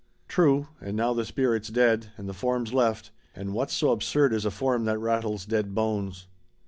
"True. And now the spirit's dead and the form's left and what's so absurd as a form that rattles dead bones?"